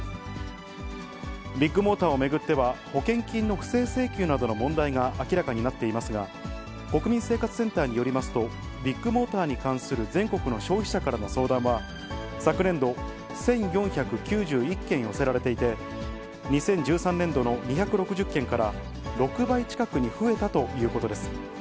ビッグモーターを巡っては、保険金の不正請求などの問題が明らかになっていますが、国民生活センターによりますと、ビッグモーターに関する全国の消費者からの相談は、昨年度、１４９１件寄せられていて、２０１３年度の２６０件から６倍近くに増えたということです。